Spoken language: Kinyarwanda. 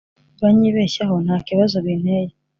Uranyibeshyaho nta kibazo binteye